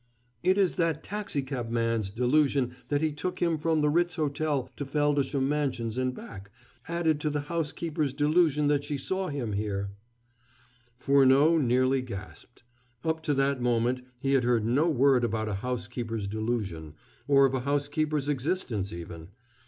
"It is that taxicabman's delusion that he took him from the Ritz Hotel to Feldisham Mansions and back, added to the housekeeper's delusion that she saw him here " Furneaux nearly gasped. Up to that moment he had heard no word about a housekeeper's delusion, or of a housekeeper's existence even.